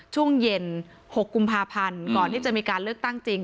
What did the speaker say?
ช่วงเย็น๖กุมภาพันธ์ก่อนที่จะมีการเลือกตั้งจริง